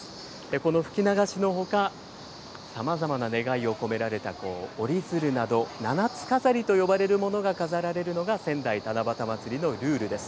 この吹き流しのほか、さまざまな願いを込められた折り鶴など七つ飾りと呼ばれるものが飾られるのが、仙台七夕まつりのルールです。